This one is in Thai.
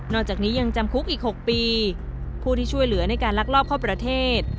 จากนี้ยังจำคุกอีก๖ปีผู้ที่ช่วยเหลือในการลักลอบเข้าประเทศ